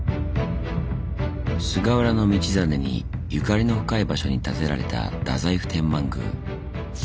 菅原道真にゆかりの深い場所に建てられた太宰府天満宮。